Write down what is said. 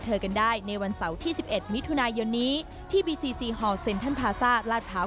เธอกันได้ในวันเสาร์ที่๑๑มิถุนายนนี้ที่บีซีซีฮอร์เซ็นทันพาซ่าลาดพร้าว